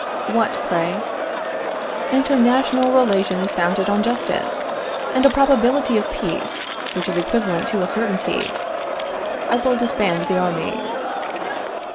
What, pray? International relations founded on justice, and a probability of peace which is equivalent to a certainty. I will disband the army.